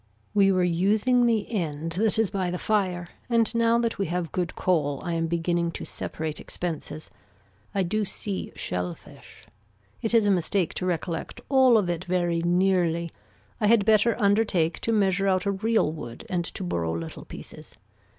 We were using the end that is by the fire and now that we have good coal I am beginning to separate expenses. I do see shell fish. It is a mistake to recollect all of it very nearly. I had better undertake to measure out a real wood and to borrow little pieces.